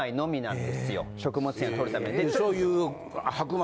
食物繊維を摂るために。